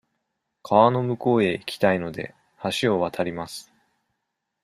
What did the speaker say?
川の向こうへ行きたいので、橋を渡ります。